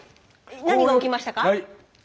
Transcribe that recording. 何が起きましたか？